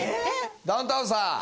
ダウンタウンさん。